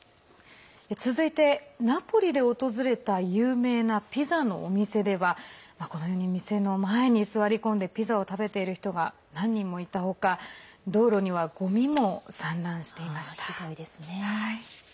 続いてナポリで訪れた有名なピザのお店ではこのように店の前に座り込んでピザを食べている人が何人もいた他道路にはごみも散乱していました。